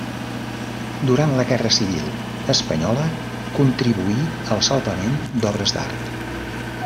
Durant la guerra civil espanyola contribuí al salvament d'obres d'art.